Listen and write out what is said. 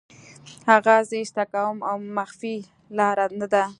هغه زه ایسته کوم او مخفي لاره ده